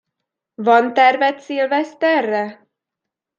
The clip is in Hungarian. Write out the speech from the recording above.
Van terved szilveszterre?